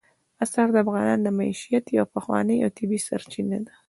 انار د افغانانو د معیشت یوه پخوانۍ او طبیعي سرچینه ده.